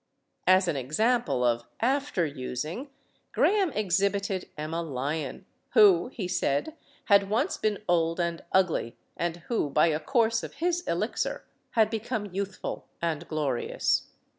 As an example of "after using," Graham exhibited Emma Lyon, who, he said, had once been old and ugly, and who, by a course of his elixir, had be come youthful and glorious.